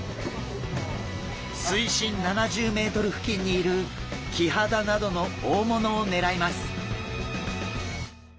水深７０ｍ付近にいるキハダなどの大物を狙います。